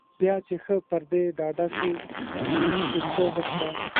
بیا چې ښه پر دې ډاډه شول چې څه نشته.